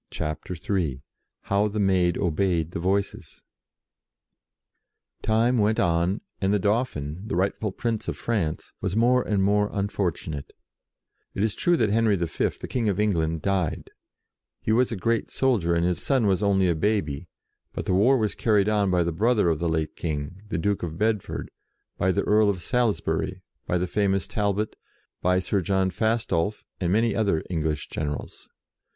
CHAPTER III HOW THE MAID OBEYED THE VOICES TIME went on, and the Dauphin, the rightful Prince of France, was more and more unfortunate. It is true that Henry V., the King of England, died. He was a great soldier, and his son was only a baby, but the war was carried on by the brother of the late King, the Duke of Bedford ; by the Earl of Salisbury ; by the famous Talbot ; by Sir John Fastolf, and many other English generals.